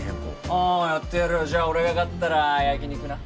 ああやってやるよじゃあ俺が勝ったら焼き肉な